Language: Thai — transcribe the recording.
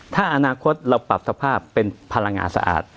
ถ้าอนาคตเราปรับสภาพเป็นพลังงานสะอาด